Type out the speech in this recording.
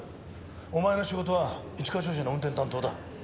お前の仕事は一課長車の運転担当だ。